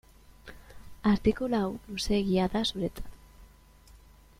Artikulu hau luzeegia da zuretzat.